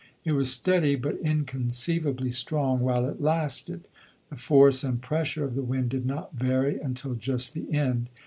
It was steady but inconceivably strong while it lasted; the force and pressure of the wind did not vary until just the end.